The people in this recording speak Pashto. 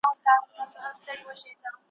د ځنګله پاچا په ځان پوري حیران وو ,